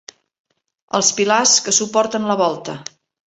Els pilars que suporten la volta.